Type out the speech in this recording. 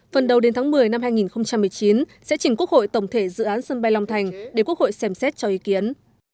phần đầu đến tháng một mươi năm hai nghìn một mươi chín sẽ chỉnh quốc hội tổng thể dự án sân bay long thành để quốc hội xem xét cho ý kiến